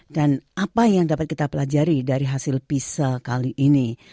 dan apa yang dapat kita pelajari dari hasil pisa kali ini